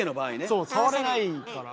そう触れないから。